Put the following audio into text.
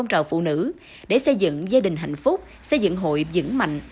ngoài các chương trình khởi nghiệp hỗ trợ phụ nữ để xây dựng gia đình hạnh phúc xây dựng hội dững mạnh